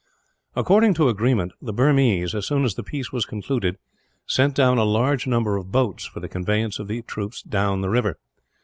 According to agreement the Burmese, as soon as peace was concluded, sent down a large number of boats for the conveyance of the troops down the river.